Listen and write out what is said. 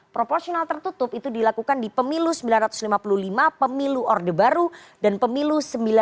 proporsional tertutup itu dilakukan di pemilu seribu sembilan ratus lima puluh lima pemilu orde baru dan pemilu seribu sembilan ratus sembilan puluh lima